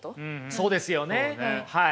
そうですよねはい。